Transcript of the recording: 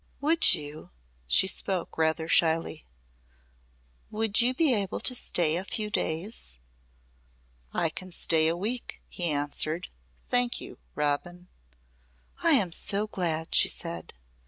"Would you " she spoke rather shyly, "would you be able to stay a few days?" "I can stay a week," he answered. "Thank you, Robin." "I am so glad," she said.